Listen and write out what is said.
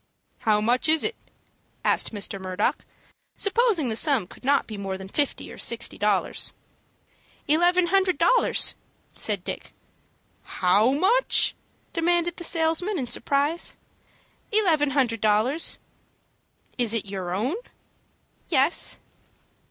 "How much is it?" asked Mr. Murdock, supposing the sum could not be more than fifty or sixty dollars. "Eleven hundred dollars," said Dick. "How much?" demanded the salesman, in surprise. "Eleven hundred dollars." "Is it your own?" "Yes."